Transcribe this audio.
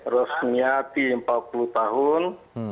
rosniati empat puluh tahun